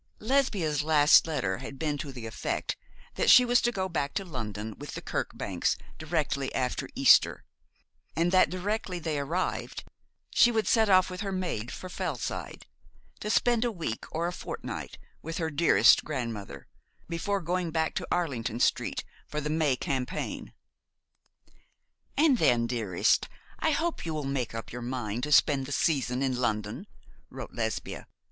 Lesbia's last letter had been to the effect that she was to go back to London with the Kirkbanks directly after Easter, and that directly they arrived she would set off with her maid for Fellside, to spend a week or a fortnight with her dearest grandmother, before going back to Arlington Street for the May campaign. 'And then, dearest, I hope you will make up your mind to spend the season in London,' wrote Lesbia.